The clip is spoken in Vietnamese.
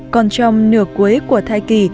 còn trong nửa cuối của thai kỳ